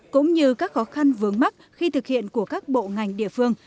cũng như các khó khăn vướng mắt khi thực hiện của các bộ ngành địa phương